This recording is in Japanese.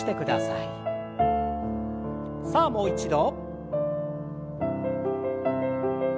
さあもう一度。